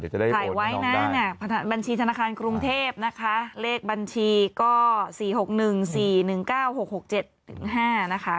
ถ่ายไว้นะบัญชีธนาคารกรุงเทพนะคะเลขบัญชีก็๔๖๑๔๑๙๖๖๗๕นะคะ